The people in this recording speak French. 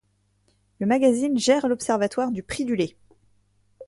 Le magazine gère l'observatoire du prix du lait.